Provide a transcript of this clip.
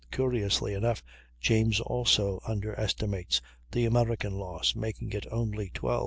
Curiously enough James also underestimates the American loss, making it only 12.